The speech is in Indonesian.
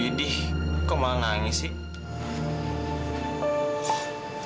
yudih kok malah nangis sih